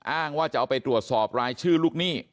อ้างว่าจะเอาไปตรวจสอบรายชื่อลูกหนี้